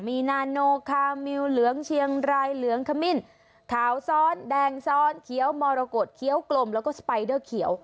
มีนาโนคามิวเหลืองเชียงรายเหลืองขมิ้นขาวซ้อนแดงซ้อนเขียวมรกฏเคี้ยวกลมแล้วก็สไปเดอร์เขียว